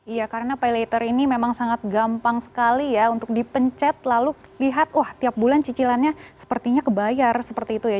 iya karena pay later ini memang sangat gampang sekali ya untuk dipencet lalu lihat wah tiap bulan cicilannya sepertinya kebayar seperti itu ya